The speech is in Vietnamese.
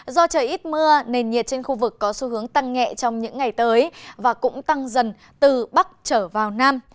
do trời ít mưa nền nhiệt trên khu vực có xu hướng tăng nhẹ trong những ngày tới và cũng tăng dần từ bắc trở vào nam